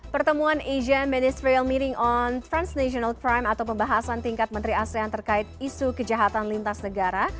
pertemuan asian ministerial meeting on transnational crime atau pembahasan tingkat menteri asean terkait isu kejahatan lintas negara